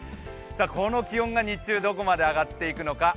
この気温が日中どこまで上がっていくのか。